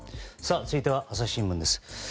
続いては朝日新聞です。